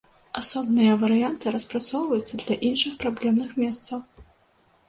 Асобныя варыянты распрацоўваюцца для іншых праблемных месцаў.